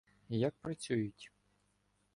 Як працюють?